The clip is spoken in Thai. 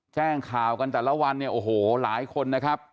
แจ้งข่าวกันแต่ละวันเนี่ยโอ้โหหลายคนนะครับ